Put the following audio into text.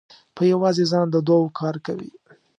په یوازې ځان د دوو کار کوي.